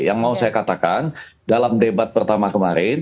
yang mau saya katakan dalam debat pertama kemarin